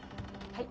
はい。